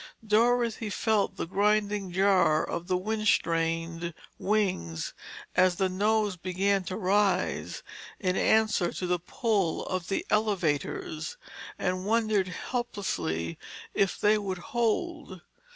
Dorothy felt the grinding jar of the wind strained wings as the nose began to rise in answer to the pull of the elevators; and wondered helplessly if they would hold.